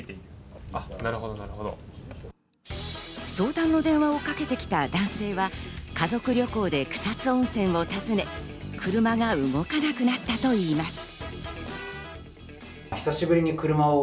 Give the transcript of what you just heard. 相談の電話をかけてきた男性は、家族旅行で草津温泉を訪ね、車が動かなくなったといいます。